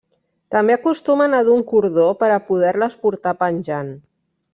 També acostumen a dur un cordó per a poder-les portar penjant.